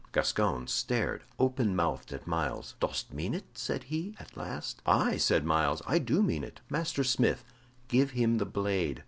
Gascoyne stared open mouthed at Myles. "Dost mean it?" said he, at last. "Aye," said Myles, "I do mean it. Master Smith, give him the blade."